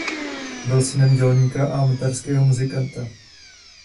Byl synem dělníka a amatérského muzikanta.